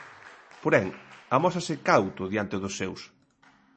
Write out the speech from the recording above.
Porén, amósase cauto diante dos seus.